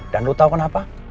dan lu tau kenapa